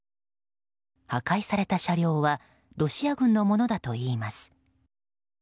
破壊された車両はロシア軍のものだといいます。